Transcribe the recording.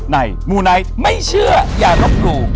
มูไนท์ไม่เชื่ออย่าลบหลู่